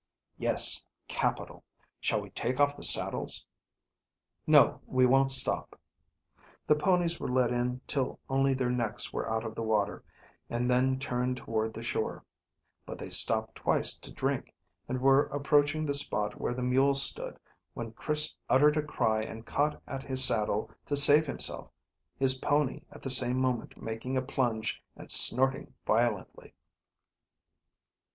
"Yes, capital. Shall we take off the saddles?" "No, we won't stop." The ponies were led in till only their necks were out of the water, and then turned towards the shore; but they stopped twice to drink, and were approaching the spot where the mule stood, when Chris uttered a cry and caught at his saddle to save himself, his pony at the same moment making a plunge and snorting violently.